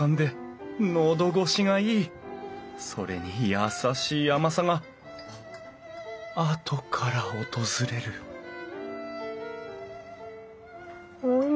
それに優しい甘さがあとから訪れるおい